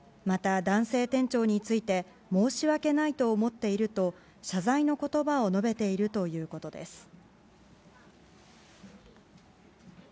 また、男性店長について申し訳ないと思っていると謝罪の言葉を述べているということです。